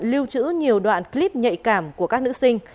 lưu trữ nhiều đoạn clip nhạy cảm của các nữ sinh